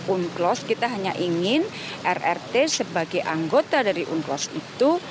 unclos kita hanya ingin rrt sebagai anggota dari unclos itu